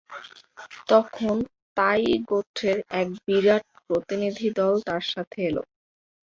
তখন তাঈ গোত্রের এক বিরাট প্রতিনিধিদল তার সাথে এল।